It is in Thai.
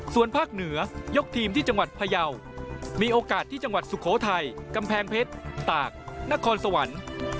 ส่วนภาคเหนือยกทีมที่จังหวัดพยาวมีโอกาสที่จังหวัดสุโขทัยกำแพงเพชรตากนครสวรรค์